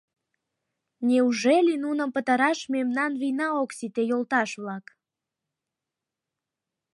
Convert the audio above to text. — Неужели нуным пытараш мемнан вийна ок сите, йолташ-влак!..